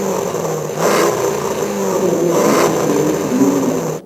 Seretos pik che tuen en england